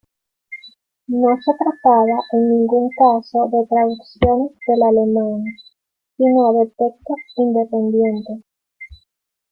No se trataba en ningún caso de traducciones del alemán, sino de textos independientes.